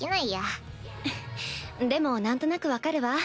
でもなんとなく分かるわ。